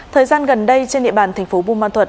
thời gian gần đây trên địa bàn tp bùn ban thuật